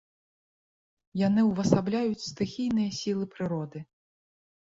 Яны ўвасабляюць стыхійныя сілы прыроды.